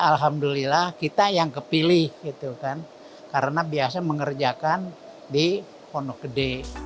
alhamdulillah kita yang kepilih gitu kan karena biasa mengerjakan di pondok gede